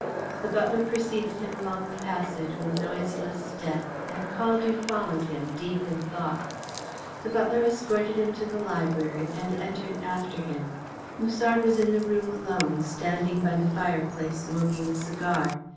The butler preceded him along the passage with noiseless step, and Caldew followed him, deep in thought. The butler escorted him to the library, and entered after him. Musard was in the room alone, standing by the fireplace, smoking a cigar.